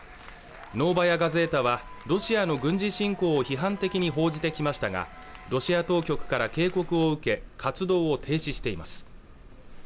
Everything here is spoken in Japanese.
ノーバヤ・ガゼータはロシアの軍事侵攻を批判的に報じてきましたがロシア当局から警告を受け活動を停止しています